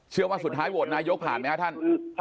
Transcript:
เชื่อว่าสุดท้ายโหดนายยกผ่านไหมครับท่าน